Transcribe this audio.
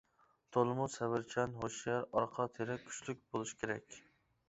تولىمۇ سەۋرچان، ھوشيار، ئارقا تىرەك كۈچلۈك بولۇش كېرەك.